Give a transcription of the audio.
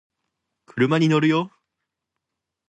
車に乗るよ